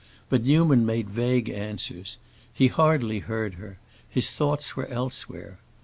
But Newman made vague answers; he hardly heard her, his thoughts were elsewhere.